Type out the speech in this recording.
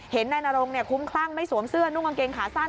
นายนรงคุ้มคลั่งไม่สวมเสื้อนุ่งกางเกงขาสั้น